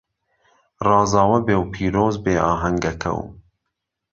رازاوه بێ و پیرۆز بێ ئاههنگهکهو